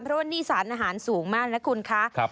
เพราะว่านี่สารอาหารสูงมากนะคุณคะ